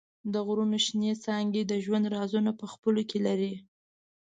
د غرونو شنېڅانګې د ژوند رازونه په خپلو کې لري.